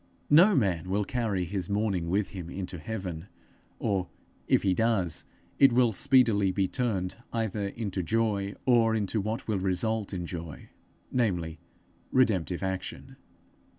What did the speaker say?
No man will carry his mourning with him into heaven or, if he does, it will speedily be turned either into joy, or into what will result in joy, namely, redemptive action.